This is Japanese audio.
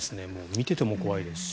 見ていても怖いですし。